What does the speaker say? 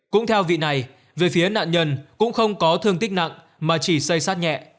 cũng theo vị này về phía nạn nhân cũng không có thương tích nặng mà chỉ xây sát nhẹ